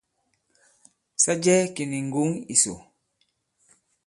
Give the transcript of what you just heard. Sa jɛ̄ kì nì ŋgǒŋ ìsò.